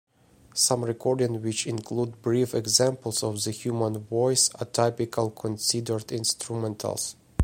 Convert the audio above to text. Some recordings which include brief examples of the human voice are typically considered instrumentals.